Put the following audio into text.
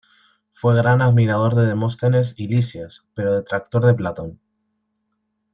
Fue gran admirador de Demóstenes y de Lisias, pero detractor de Platón.